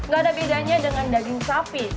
gak ada bedanya dengan daging sapi